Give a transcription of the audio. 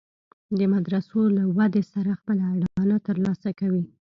د مدرسو له ودې سره خپله اډانه تر لاسه کوي.